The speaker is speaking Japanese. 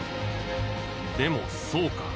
でもそうか。